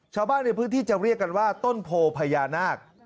ชาวบ้านในพื้นที่จะเรียกกันว่าต้นโพพญานาค